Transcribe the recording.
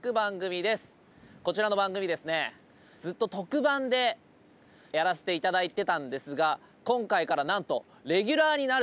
こちらの番組ですねずっと特番でやらせて頂いてたんですが今回からなんとレギュラーになるということです。